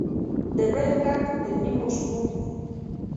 دبل کټ تر نيمو شپو وى.